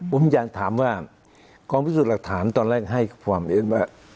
ผมจะถามว่าพิสูฆ์หลักฐานตอนแรกให้๑ตัวเล็ก๑๗๗